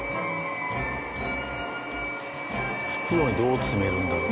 袋にどう詰めるんだろう？